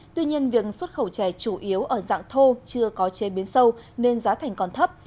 tuy nhiên việc xuất khẩu chè chủ yếu ở dạng thô chưa có chế biến sâu nên giá thành còn thấp